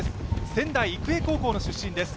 仙台育英高校の出身です。